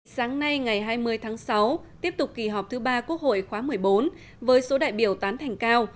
sáng nay ngày hai mươi tháng sáu tiếp tục kỳ họp thứ ba quốc hội khóa một mươi bốn với số đại biểu tán thành cao